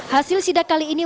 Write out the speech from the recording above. hasil sidak kali ini